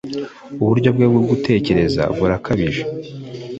Uburyo bwe bwo gutekereza burakabije.